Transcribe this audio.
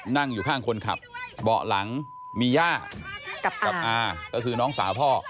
นั่งอยู่ข้างคนขับเบาะหลังมีย่ากับอาก็คือน้องสาวพ่อ